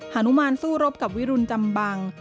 ฮนุมานสู้รบกับวิรุณจำบัง